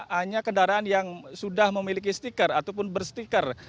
hanya kendaraan yang sudah memiliki stiker ataupun berstiker